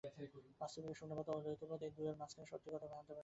বাস্তবিকই শূন্যবাদ বা অদ্বৈতবাদ, এই দুয়ের মাঝখানে সত্যি কোথাও থামতে পার না।